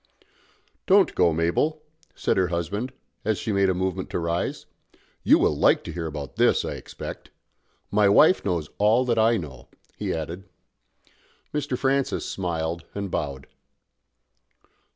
"Don't go, Mabel," said her husband, as she made a movement to rise. "You will like to hear about this, I expect. My wife knows all that I know," he added. Mr. Francis smiled and bowed.